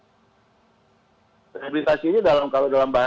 rehabilitasi ini kalau dalam bahasa